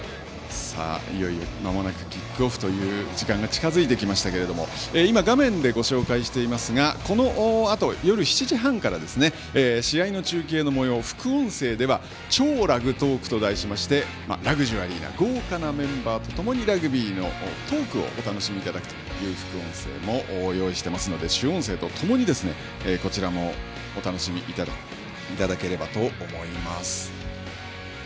まもなくキックオフという時間が近づいてきましたが今、画面でご紹介していますがこのあと夜７時半から試合の中継のもよう、副音声では「超ラグトーク！」と題してラグジュアリーな豪華なメンバーとともにラグビーのトークをお楽しみいただけるという副音声もご用意していますので主音声とともに、こちらもお楽しみいただければと思います。